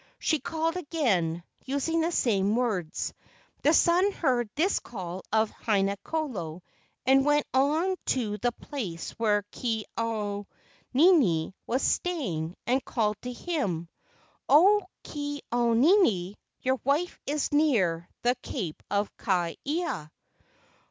She called again, using the same words. The sun heard this call of Haina kolo and went on to the place where Ke au nini was staying and called to him, "O Ke au nini, your wife is near the cape of Ka ia."